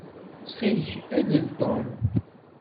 Ttxil-k, alel Tom.